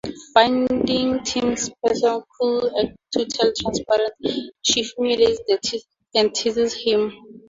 Finding Tim's pseudo-cool act totally transparent, she humiliates and teases him.